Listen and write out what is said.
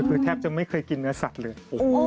คือแทบจะไม่เคยกินเนื้อสัตว์เลย